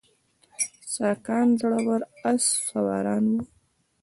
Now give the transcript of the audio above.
ساکان زړور آس سواران وو